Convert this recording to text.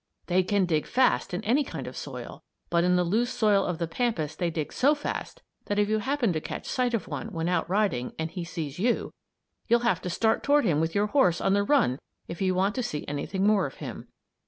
They can dig fast in any kind of soil, but in the loose soil of the pampas they dig so fast that if you happen to catch sight of one when out riding and he sees you, you'll have to start toward him with your horse on the run if you want to see anything more of him.